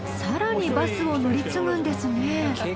更にバスを乗り継ぐんですね。